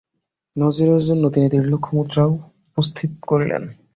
নজরের জন্য তিনি দেড় লক্ষ মুদ্রা উপস্থিত করিলেন।